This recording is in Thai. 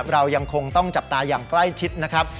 เรายังคงต้องจับตาอย่างใกล้ชิดนะครับ